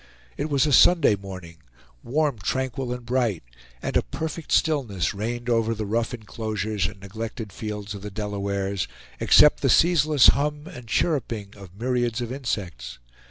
It was a Sunday morning; warm, tranquil and bright; and a perfect stillness reigned over the rough inclosures and neglected fields of the Delawares, except the ceaseless hum and chirruping of myriads of insects.